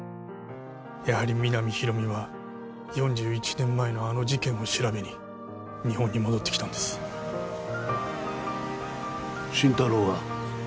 やはり皆実広見は４１年前のあの事件を調べに日本に戻ってきたんです心太朗は？